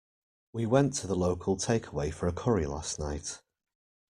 We went to the local takeaway for a curry last night